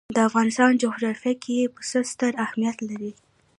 د افغانستان جغرافیه کې پسه ستر اهمیت لري.